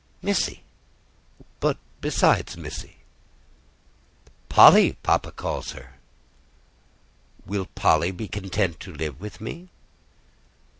"Missy." "But besides Missy?" "Polly, papa calls her." "Will Polly be content to live with me?"